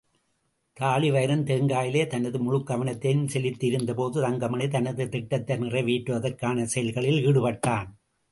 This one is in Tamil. தாழிவயிறன் தேங்காயிலே தனது முழுக்கவனத்தையும் செலுத்தியிருந்தபோது தங்கமணி தனது திட்டத்தை நிறை வேற்றுவதற்கான செயல்களில் ஈடுபட்டான்.